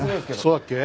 そうだっけ？